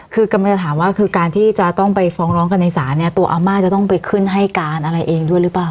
คือกำลังจะถามว่าคือการที่จะต้องไปฟ้องร้องกันในศาลเนี่ยตัวอาม่าจะต้องไปขึ้นให้การอะไรเองด้วยหรือเปล่า